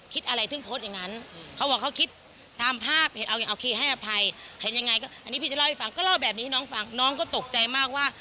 ก็เล่าแบบนี้ให้น้องฟังน้องก็ตกใจมากว่า